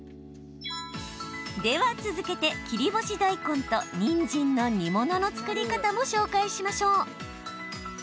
では続けて、切り干し大根とにんじんの煮物の作り方も紹介しましょう。